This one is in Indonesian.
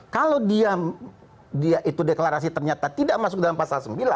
kalau dia itu deklarasi ternyata tidak masuk dalam pasal sembilan